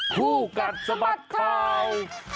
คู่กัดสะบัดข่าว